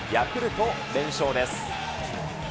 ヤクルト、連勝です。